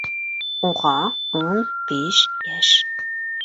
Уға ун биш йәш